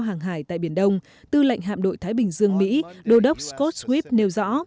đi lại tại biển đông tư lệnh hạm đội thái bình dương mỹ đô đốc scott swift nêu rõ